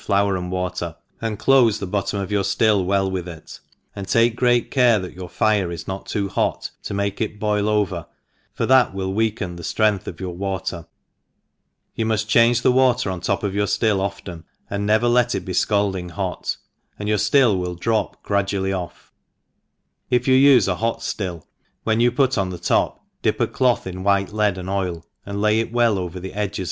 4oar and water, and dofe the bot i* torn of your ftill well with it, and take great care that your fire is not too hot to make it boil over, for that will weaken the ftrength of your water ; you muft change the water on the top of your £bill often, and never let it be fcaldini'hot^ and your ftUI will drop gradually off; ii yoa ufe a hot Hill, when you put on the top, dip a cloth in white lead and oil, and lay it well over the edges